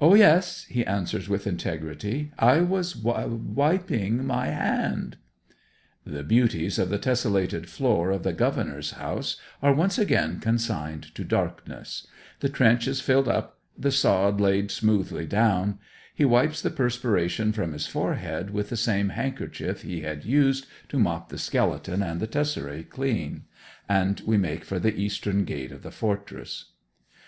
'O yes,' he answers with integrity. 'I was wiping my hand.' The beauties of the tesselated floor of the governor's house are once again consigned to darkness; the trench is filled up; the sod laid smoothly down; he wipes the perspiration from his forehead with the same handkerchief he had used to mop the skeleton and tesserae clean; and we make for the eastern gate of the fortress.